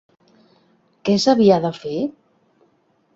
Què s'havia de fer?